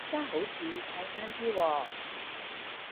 而家好似快返啲喎